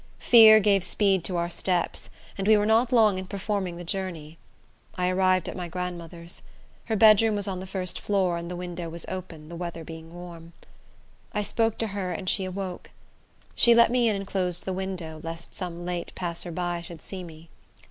Fear gave speed to our steps, and we were not long in performing the journey. I arrived at my grandmother's. Her bed room was on the first floor, and the window was open, the weather being warm. I spoke to her and she awoke. She let me in and closed the window, lest some late passer by should see me.